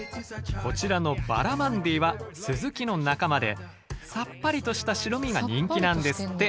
こちらのバラマンディはスズキの仲間でさっぱりとした白身が人気なんですって。